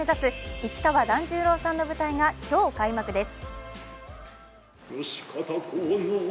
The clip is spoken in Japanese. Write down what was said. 市川團十郎さんの舞台が今日、開幕です。